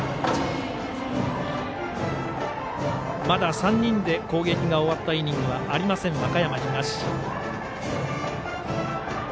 まだ３人で攻撃が終わったイニングはありません